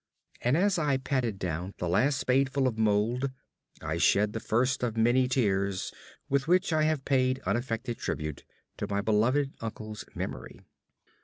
And as I patted down the last spadeful of mold, I shed the first of the many tears with which I have paid unaffected tribute to my beloved uncle's memory.